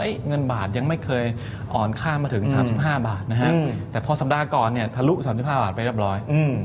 เงินบาทยังไม่เคยอ่อนค่ามาถึง๓๕บาทนะฮะแต่พอสัปดาห์ก่อนเนี่ยทะลุ๓๕บาทไปเรียบร้อย